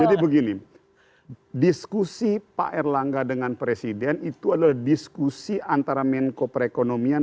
jadi begini diskusi pak erlangga dengan presiden itu adalah diskusi antara menko perekonomian